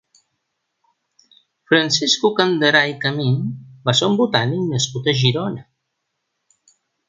Francisco Campderá i Camin va ser un botànic nascut a Girona.